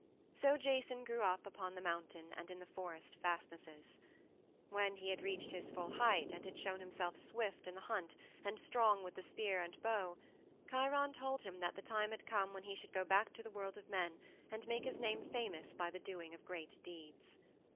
So Jason grew up upon the mountain and in the forest fastnesses. When he had reached his full height and had shown himself swift in the hunt and strong with the spear and bow, Chiron told him that the time had come when he should go back to the world of men and make his name famous by the doing of great deeds.